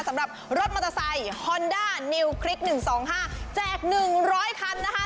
สำหรับรถมอเตอร์ไซค์ฮอนด้านิวคลิกหนึ่งสองห้าแจกหนึ่งร้อยคันนะคะ